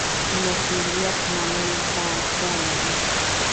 مسوولیت منلو ته اړتیا لري